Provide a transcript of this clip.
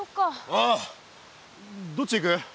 ああどっち行く？